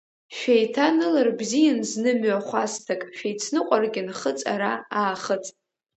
Шәеиҭанылар бзиан зны мҩахәасҭак, шәеицныҟәаргьы Нхыҵ ара, Аахыҵ.